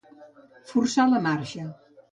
Forçar la marxa.